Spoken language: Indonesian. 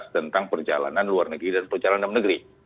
tentang perjalanan luar negeri dan perjalanan dalam negeri